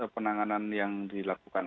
penanganan yang dilakukan